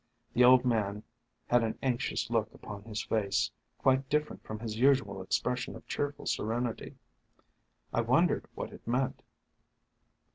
The old man had an anxious look upon his 212 THE FANTASIES OF FERNS face, quite different from his usual expression of cheerful serenity. I wondered what it meant.